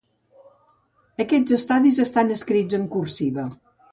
Aquests estadis estan escrits en cursiva.